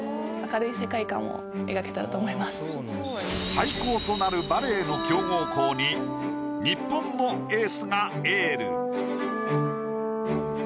廃校となるバレーの強豪校に日本のエースがエール。